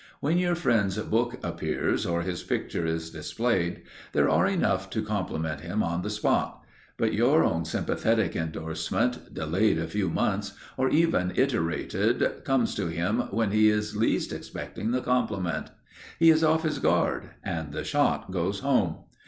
When your friend's book appears, or his picture is displayed, there are enough to compliment him on the spot, but your own sympathetic endorsement, delayed a few months, or even iterated, comes to him when he is least expecting the compliment. He is off his guard, and the shot goes home.